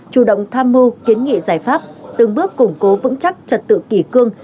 chủ động tham mưu kiến nghị giải pháp từng bước củng cố vững chắc trật tự kỷ cương